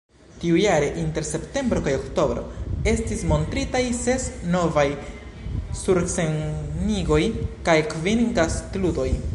Tiujare, inter septembro kaj oktobro, estis montritaj ses novaj surscenigoj kaj kvin gastludoj.